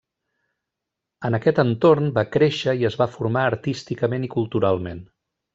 En aquest entorn va créixer i es va formar artísticament i culturalment.